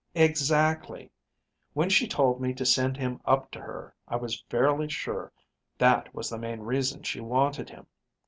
"Exactly. When she told me to send him up to her, I was fairly sure that was the main reason she wanted him.